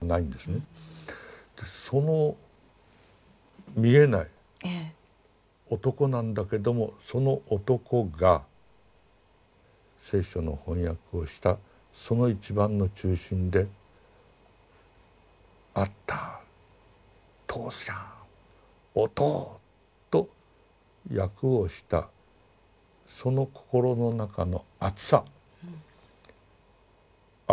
その見えない男なんだけどもその男が聖書の翻訳をしたその一番の中心で「アッター」「とうちゃん」「おとう」と訳をしたその心の中の熱さあっ